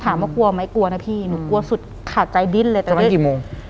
ถามว่ากลัวไหมกลัวนะพี่หนูกลัวสุดขาดใจบิ้นเลยจะมากี่โมง